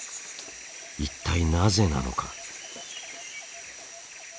一体なぜなのか。